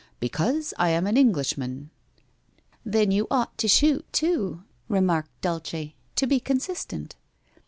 ' Because I am an Englishman/ ' Then you ought to shoot, too ?' remarked Dulce, ' to be consistent.'